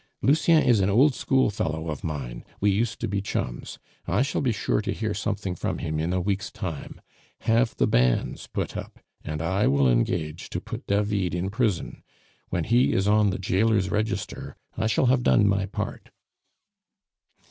"Lucien is an old school fellow of mine; we used to be chums. I shall be sure to hear something from him in a week's time. Have the banns put up, and I will engage to put David in prison. When he is on the jailer's register I shall have done my part."